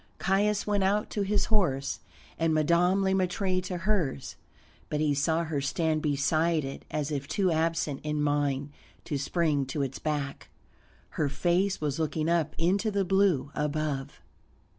Caius went out to his horse, and Madame Le Maître to hers, but he saw her stand beside it as if too absent in mind to spring to its back; her face was looking up into the blue above.